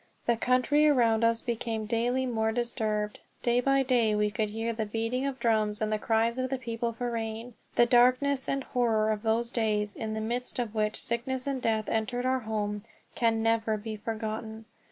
The country around us became daily more disturbed; day by day we could hear the beating of drums and the cries of the people for rain. The darkness and horror of those days, in the midst of which sickness and death entered our home, can never be forgotten.